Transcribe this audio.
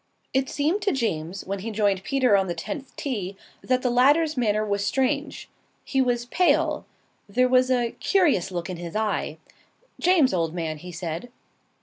It seemed to James, when he joined Peter on the tenth tee, that the latter's manner was strange. He was pale. There was a curious look in his eye. "James, old man," he said.